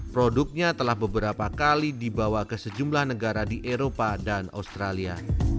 produknya telah beberapa kali dibawa ke sejumlah negara di eropa dan australia